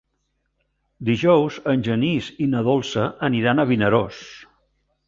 Dijous en Genís i na Dolça aniran a Vinaròs.